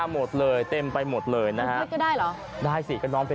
คุณผู้ชมไปฟังเสียงกันหน่อยว่าเค้าทำอะไรกันบ้างครับ